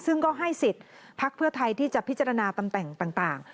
ซึ่งก็ให้สิทธิ์พักเพื่อไทยที่จะพิจารณาตำแหน่งต่าง